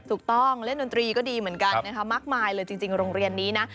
ถูกต้องเล่นดนตรีก็ดีเหมือนกันนะคะมากมายเลยจริงโรงเรียนนี้นะ